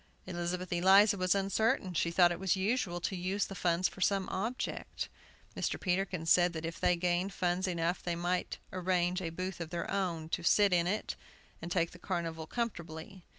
Elizabeth Eliza was uncertain. She thought it was usual to use the funds for some object. Mr. Peterkin said that if they gained funds enough they might arrange a booth of their own, and sit in it, and take the carnival comfortably.